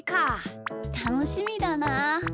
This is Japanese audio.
たのしみだなあ。